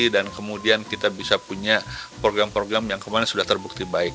dan kemudian kita bisa punya program program yang kemarin sudah terbukti baik